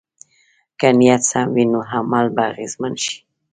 که نیت سم وي، نو عمل به اغېزمن شي.